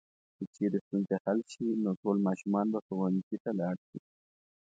که چېرې ستونزې حل شي نو ټول ماشومان به ښوونځي ته لاړ شي.